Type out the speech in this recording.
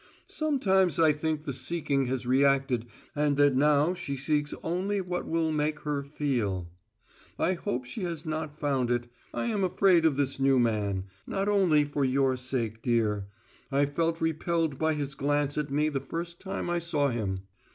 Sometimes I think the seeking has reacted and that now she seeks only what will make her feel. I hope she has not found it: I am afraid of this new man not only for your sake, dear. I felt repelled by his glance at me the first time I saw him.